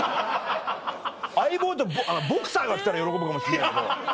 『相棒』とボクサーが来たら喜ぶかもしんないけど。